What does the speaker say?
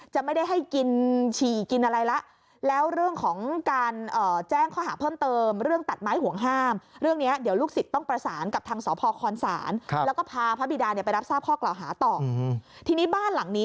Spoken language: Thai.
จะไม่ได้ให้กินฉี่กินอะไรละ